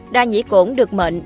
đa nhĩ cổn được mệnh